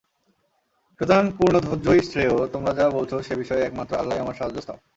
সুতরাং পূর্ণ ধৈর্যই শ্রেয়, তোমরা যা বলছ সে বিষয়ে একমাত্র আল্লাহই আমার সাহায্যস্থল।